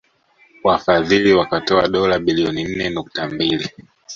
Wafadhili wakatoa dola bilioni nne nukta mbili